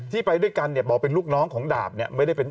ที่ไปด้วยกันเนี่ยบอกเป็นลูกน้องของดาบเนี่ย